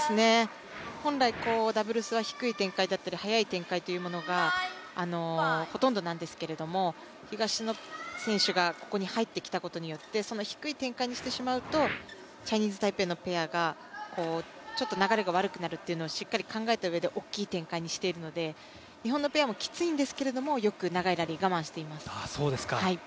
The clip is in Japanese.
本来、ダブルスは低い展開だったり速い展開というものがほとんどなんですけれども東野選手がここに入ってきたことによってその低い展開にしてしまうとチャイニーズ・タイペイのペアがちょっと流れが悪くなることをしっかり考えて大きい展開にしているので日本のペアもきついんですがよく長いラリー我慢しています。